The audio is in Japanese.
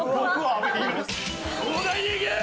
東大に行けー！